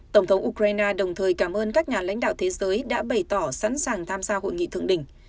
tổng thống ukraine đồng thời cảm ơn các nhà lãnh đạo thế giới đã bày tỏ sẵn sàng tham gia hội nghị thượng đỉnh